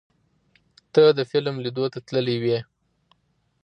ته د فلم لیدو ته تللی وې؟